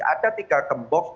ada tiga gembok